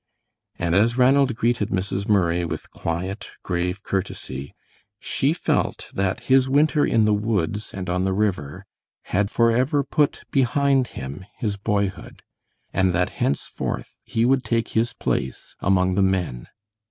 And as Ranald greeted Mrs. Murray with quiet, grave courtesy, she felt that his winter in the woods and on the river had forever put behind him his boyhood, and that henceforth he would take his place among the men.